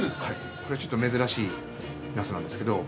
これちょっと珍しいナスなんですけど。